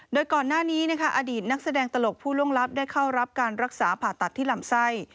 โดยก่อนหน้านี้อดีตนักแสดงตลกผู้ล่วงลับได้เข้ารับการรักษาผ่าตัดที่ลำไส้